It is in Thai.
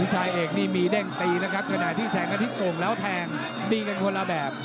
วิชาเอกนี่มีเด้งตีแล้วนะครับขณะที่กลงแล้วแทงมีคนละแบบ